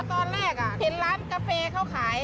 ตอนแรกเห็นร้านกาแฟเขาขาย